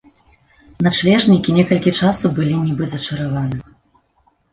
Начлежнікі некалькі часу былі нібы зачараваны.